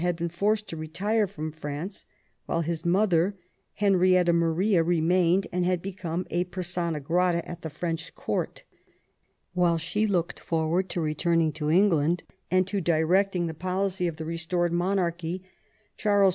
had been forced to retire from France, while his mother, Henrietta Maria, remained, and had become a persona grata at the French court. While she looked 166 MAZARIN chap. forward to returning to England and to directing the policy of the restored monarchy, Charles II.